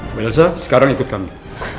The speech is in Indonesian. mbak elsa sekarang ikut kami